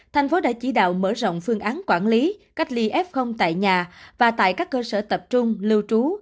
thành phố đã chỉ đạo mở rộng phương án quản lý cách ly f tại nhà và tại các cơ sở tập trung lưu trú